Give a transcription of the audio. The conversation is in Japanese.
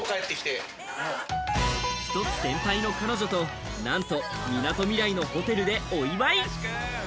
１つ先輩の彼女と、なんと、みなとみらいのホテルでお祝い。